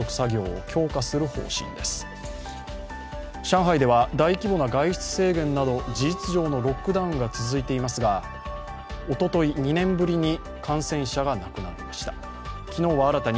上海では、大規模な外出制限など事実上のロックダウンが続いていますが、おととい２年ぶりに感染者が亡くなりました。